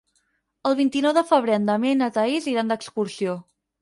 El vint-i-nou de febrer en Damià i na Thaís iran d'excursió.